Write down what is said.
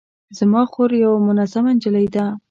زما خور یوه منظمه نجلۍ ده